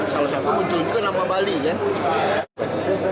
salah satu muncul juga nama bali kan